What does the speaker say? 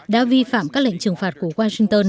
đã vi phạm các lệnh trừng phạt của washington